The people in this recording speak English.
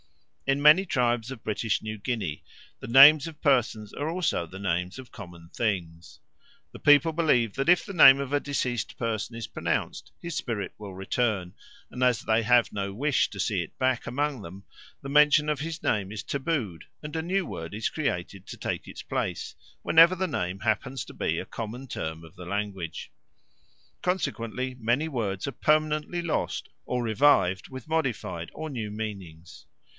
In many tribes of British New Guinea the names of persons are also the names of common things. The people believe that if the name of a deceased person is pronounced, his spirit will return, and as they have no wish to see it back among them the mention of his name is tabooed and a new word is created to take its place, whenever the name happens to be a common term of the language. Consequently many words are permanently lost or revived with modified or new meanings.